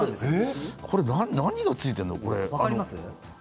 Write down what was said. これは何がついているの？